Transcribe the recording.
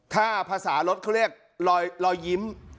ถ้าภาษารถเขาเรียกรอยยิ้ม